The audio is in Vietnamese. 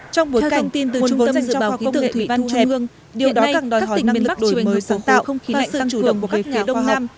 theo thông tin từ trung tâm dự báo khi tượng thủy văn trung hương điều đó càng đòi hỏi năng lực đổi mới sản tạo và sự chủ động của các nhà khoa học